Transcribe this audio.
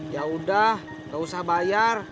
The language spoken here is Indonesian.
yaudah gak usah bayar